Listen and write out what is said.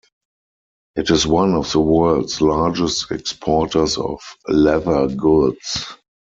It is one of the world's largest exporters of leather goods.